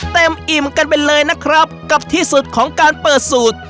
อิ่มกันไปเลยนะครับกับที่สุดของการเปิดสูตร